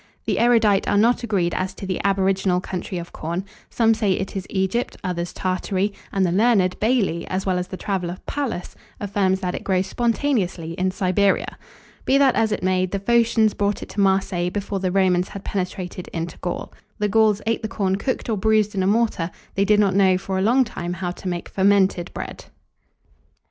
The erudite are not agreed as to the aboriginal country of corn: some say it is Egypt, others Tartary; and the learned Bailly, as well as the traveller Pallas, affirms that it grows spontaneously in Siberia. Be that as it may, the Phocians brought it to Marseilles before the Romans had penetrated into Gaul. The Gauls ate the corn cooked or bruised in a mortar: they did not know, for a long time, how to make fermented bread.